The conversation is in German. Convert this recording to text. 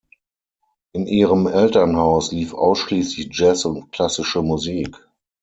In ihrem Elternhaus lief ausschließlich Jazz und klassische Musik.